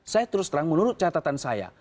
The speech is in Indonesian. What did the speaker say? saya terus terang menurut catatan saya